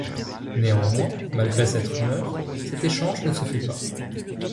Néanmoins, malgré cette rumeur, cet échange ne se fait pas.